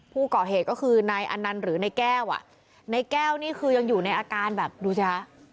ผู้ก่อเหตุก็คือนายอนันต์หรือในแก้วอ่ะในแก้วนี่คือยังอยู่ในอาการแบบดูสิคะ